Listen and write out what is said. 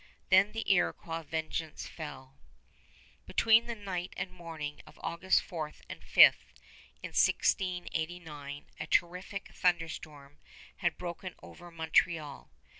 Then the Iroquois vengeance fell. Between the night and morning of August 4 and 5, in 1689, a terrific thunderstorm had broken over Montreal.